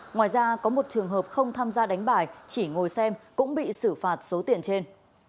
ngoài ra có một trường hợp không tham gia đánh bài chỉ ngồi xem cũng bị xử phạt số tiền trên